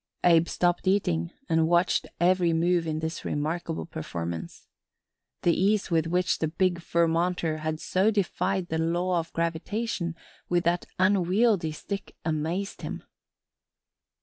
Abe stopped eating and watched every move in this remarkable performance. The ease with which the big Vermonter had so defied the law of gravitation with that unwieldly stick amazed him.